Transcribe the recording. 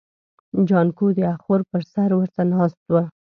جانکو د اخور پر سر ورته ناست و.